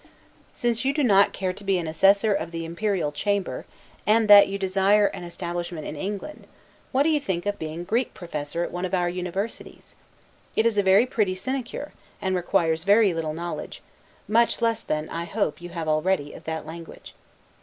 Since you do not care to be an assessor of the imperial chamber, and that you desire an establishment in England; what do you think of being Greek Professor at one of our universities? It is a very pretty sinecure, and requires very little knowledge (much less than, I hope, you have already) of that language.